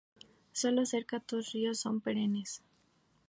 Solo cerca tos ríos son perennes.